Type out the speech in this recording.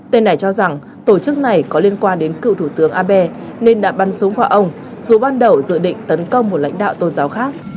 tên này cho rằng tổ chức này có liên quan đến cựu thủ tướng abe nên đã bắn súng hỏa ông dù ban đầu dự định tấn công một lãnh đạo tôn giáo khác